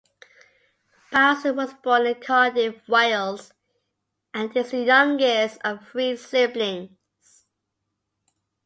Bowles was born in Cardiff, Wales, and is the youngest of three siblings.